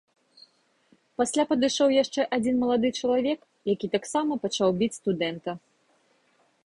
Пасля падышоў яшчэ адзін малады чалавек, які таксама пачаў біць студэнта.